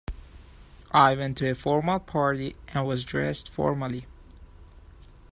I went to a formal party and was dressed formally.